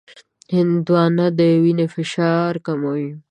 هندوانه د وینې فشار کموي.